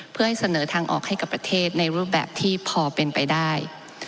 เพื่อให้เสนอทางออกให้กับประเทศในรูปแบบที่พอเป็นไปได้